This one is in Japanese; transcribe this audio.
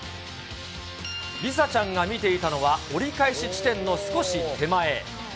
梨紗ちゃんが見ていたのは、折り返し地点の少し手前。